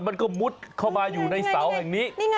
มันก็มุดเข้ามาอยู่ในเสาแห่งนี้